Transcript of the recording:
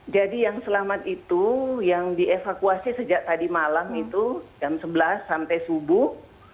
jadi yang selamat itu yang dievakuasi sejak tadi malam itu jam sebelas sampai subuh